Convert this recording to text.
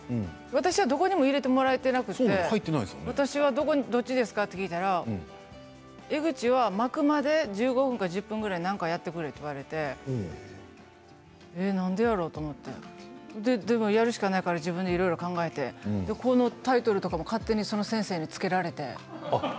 私はどこにも入れてもらえていなくて私はどっちですかと聞いたら江口は幕間で１５分から１０分ぐらい何かやってくれと言われて何でやろうと思ってでもやるしかないから自分でいろいろ考えてこのタイトルとかも勝手に先生に付けられて。